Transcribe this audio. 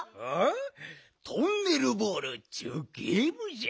トンネルボールっちゅうゲームじゃ。